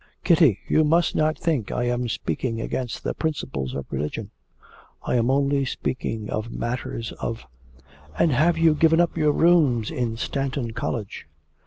Kitty, you must not think I am speaking against the principles of religion; I am only speaking of matters of ' 'And have you given up your rooms in Stanton College?'